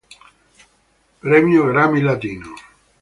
Premio Grammy Latino